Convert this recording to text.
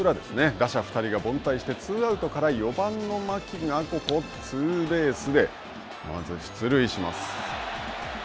打者２人が凡退して、ツーアウトから４番の牧がツーベースでまず出塁します。